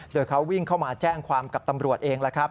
โดยเขาวิ่งเข้ามาแจ้งความกับตำรวจเอง